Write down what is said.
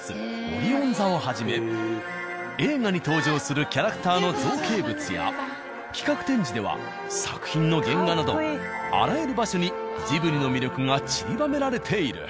オリヲン座をはじめ映画に登場するキャラクターの造形物や企画展示では作品の原画などあらゆる場所にジブリの魅力がちりばめられている。